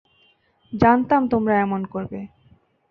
জানতাম তোমরা এমন করবে।